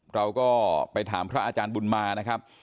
เราก็ไปถามพระอาจารย์บุญมานะครับ